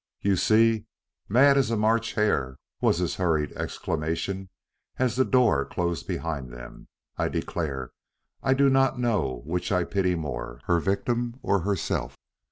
"You see! Mad as a March hare!" was his hurried exclamation as the door closed behind them. "I declare I do not know which I pity more, her victim or herself.